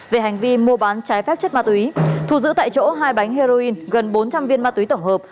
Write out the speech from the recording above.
về hành vi mua bán trái phép chất ma túy thu giữ tại chỗ hai bánh heroin gần bốn trăm linh viên ma túy tổng hợp